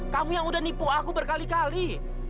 kamu yang udah nipu aku berkali kali